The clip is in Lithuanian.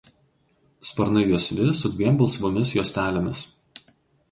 Sparnai juosvi su dviem balsvomis juostelėmis.